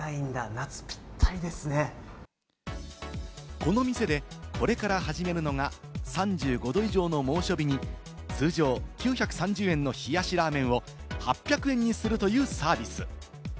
この店でこれから始まるのが、３５度以上の猛暑日に通常９３０円の冷やしラーメンを８００円にするというサービス。